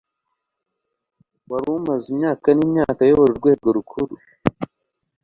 wari umaze imyaka n'imyaka ayobora urwego rukuru